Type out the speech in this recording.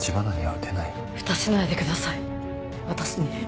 撃たせないでください私に。